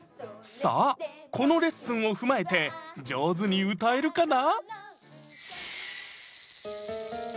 さあこのレッスンを踏まえて上手に歌えるかな？